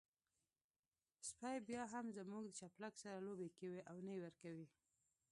سپی بيا هم زموږ د چپلکو سره لوبې کوي او نه يې ورکوي.